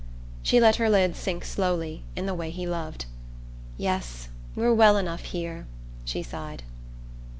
She let her lids sink slowly, in the way he loved. "Yes, we're well enough here," she sighed.